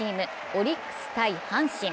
オリックス×阪神。